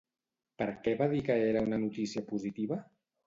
Per què va dir que era una notícia positiva?